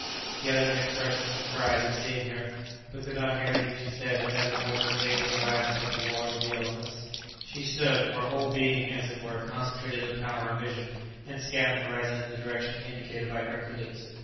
He uttered an expression of surprise at seeing her, but could not hear anything she said, as her voice was unable to rise above the roaring of the elements; she stood, her whole being as it were concentrated in the power of vision, and scanned the horizon in the direction indicated by Hercules.